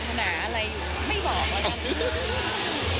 ปรารถนาอะไรอยู่ไม่บอกว่าทางนี้